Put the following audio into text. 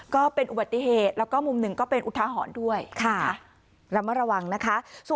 ก็เป็นอุบัติเหตุแล้วก็มุมหนึ่งก็เป็นอุทาหรณ์ด้วยค่ะระมัดระวังนะคะ